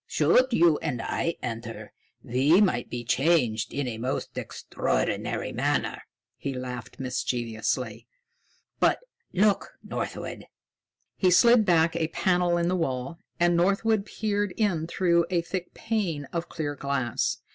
Should you and I enter, we might be changed in a most extraordinary manner." He laughed mischievously. "But, look, Northwood!" He slid back a panel in the wall, and Northwood peered in through a thick pane of clear glass.